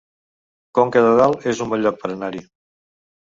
Conca de Dalt es un bon lloc per anar-hi